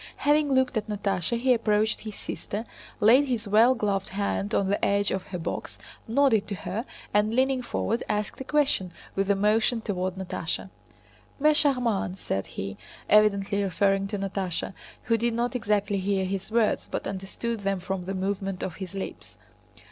Having looked at Natásha he approached his sister, laid his well gloved hand on the edge of her box, nodded to her, and leaning forward asked a question, with a motion toward Natásha. "Mais charmante!" said he, evidently referring to Natásha, who did not exactly hear his words but understood them from the movement of his lips.